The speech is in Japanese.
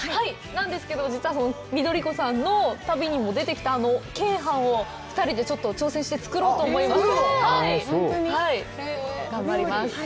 なんですけど、実は緑子さんの旅にも出てきた、鶏飯を２人でちょっと挑戦して作ろうと思います。